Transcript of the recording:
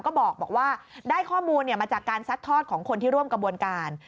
ก็บอกว่าได้ข้อมูลมาจากการซัดทอดของคนที่ร่วมกระบวนการ